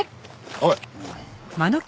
おい。